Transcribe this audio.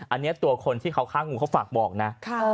อันนี้ตัวคนที่เขาฆ่างูเขาฝากบอกนะ